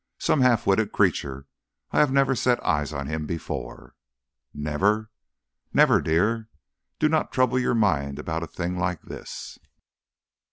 "Some half witted creature. I have never set eyes on him before." "Never?" "Never, dear. Do not trouble your mind about a thing like this."